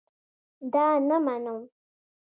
دا نه منم